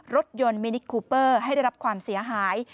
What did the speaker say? รถยนต์มินิคูเปอร์ให้ได้รับความเสียหาย